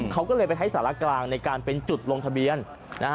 เขาก็เลยไปให้สารกลางในการเป็นจุดลงทะเบียนนะฮะ